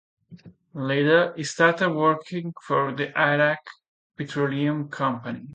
Later he started working for the Iraq Petroleum Company.